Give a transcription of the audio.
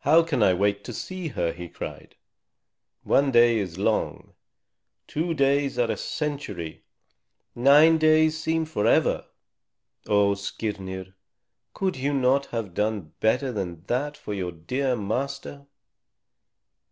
"How can I wait to see her?" he cried. "One day is long; two days are a century; nine days seem forever. Oh, Skirnir, could you not have done better than that for your dear master?"